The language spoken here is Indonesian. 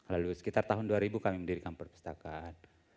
lalu sekitar tahun dua ribu kami mendirikan perpustakaan